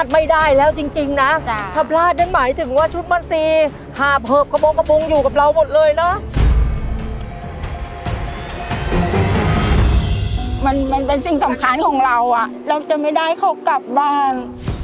มันเป็นสิ่งสำคัญของเราเราจะไม่ได้เขากลับบ้าน